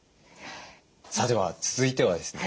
さあでは続いてはですね